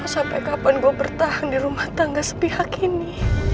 sampai kapan gue bertahan di rumah tangga sepihak ini